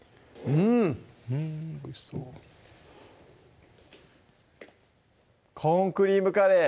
うんおいしそう「コーンクリームカレー」